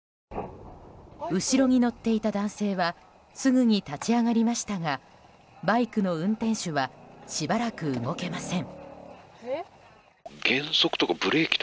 後ろに乗っていた男性はすぐに立ち上がりましたがバイクの運転手はしばらく動けません。